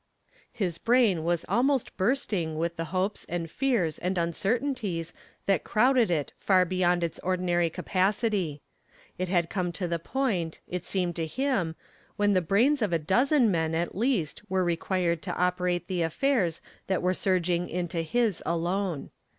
His brain was almost bursting with the hopes and fears and uncertainties that crowded it far beyond its ordinary capacity. It had come to the point, it seemed to him, when the brains of a dozen men at least were required to operate the affairs that were surging into his alone.